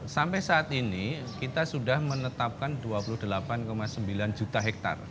sampai saat ini kita sudah menetapkan dua puluh delapan sembilan juta hektare